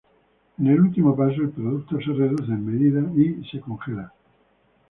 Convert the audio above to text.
En el último paso el producto se reduce en medida y se congela.